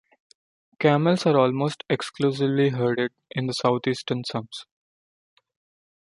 Camels are almost exclusively herded in the southeastern sums.